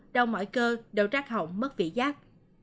đau mỏi cơ đầu rác hỏng mất vị giác